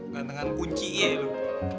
gantengan kunci ya itu